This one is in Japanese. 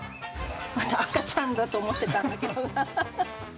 まだ赤ちゃんだと思ってたんだけどな。